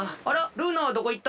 ルーナはどこいった？